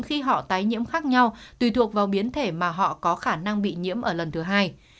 khi họ tái nhiễm khác nhau tùy thuộc vào biến thể mà họ có khả năng bị nhiễm ở lần thứ hai